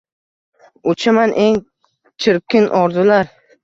Uchaman eng chirkin orzular